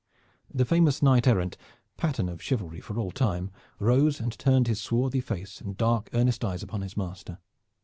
The famous knight errant, pattern of chivalry for all time; rose and turned his swarthy face and dark earnest eyes upon his master.